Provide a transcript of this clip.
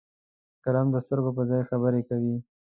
قلم د سترګو پر ځای خبرې کوي